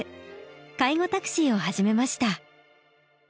介護タクシーを始めました。